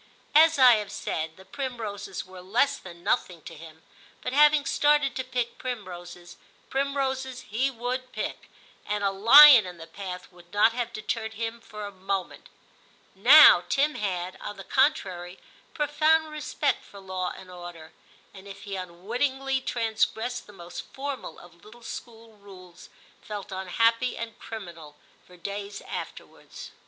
As I have said, the primroses were less than nothing to him, but having started to pick primroses, primroses he would pick, and a lion in the path would not have deterred him for a moment. Now Tim had, on the contrary, profound respect for law and order, and if he unwittingly transgressed the most formal of little school rules, felt unhappy and criminal for days afterwards.